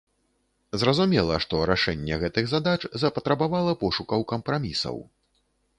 Зразумела, што рашэнне гэтых задач запатрабавала пошукаў кампрамісаў.